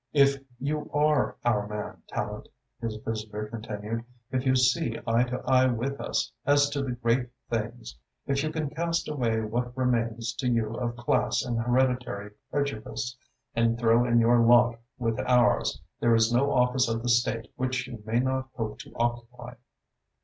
"If you are our man, Tallente," his visitor continued, "if you see eye to eye with us as to the great Things, if you can cast away what remains to you of class and hereditary prejudice and throw in your lot with ours, there is no office of the State which you may not hope to occupy.